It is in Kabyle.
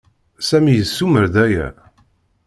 Sami yessumer-d aya.